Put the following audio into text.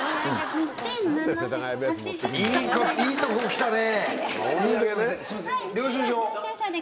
いいとこきたね。